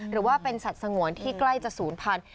หรือว่าเป็นสัตว์สงวนที่ใกล้จะศูนย์พันธุ